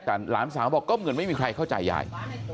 แต่หลานสาวบอกก็เหมือนไม่มีใครเข้าใจยาย